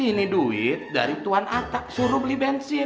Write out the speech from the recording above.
ini duit dari tuhan atak suruh beli bensin